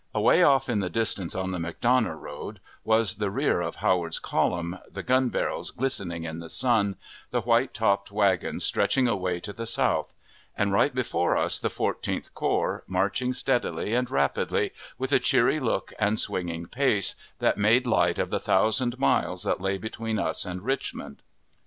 Away off in the distance, on the McDonough road, was the rear of Howard's column, the gun barrels glistening in the sun, the white topped wagons stretching away to the south; and right before us the Fourteenth Corps, marching steadily and rapidly, with a cheery look and swinging pace, that made light of the thousand miles that lay between us and Richmond.